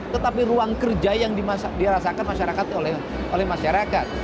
tetapi ruang kerja yang dirasakan masyarakat oleh masyarakat